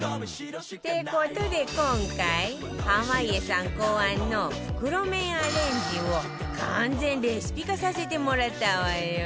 って事で今回濱家さん考案の袋麺アレンジを完全レシピ化させてもらったわよ